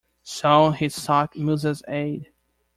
So he sought Musa's aid.